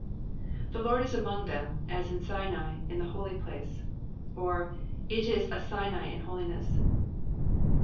'"'•The Lord is among them, as in Sinai, in tJie holy phre,^' or, it is a Sinai in holiness."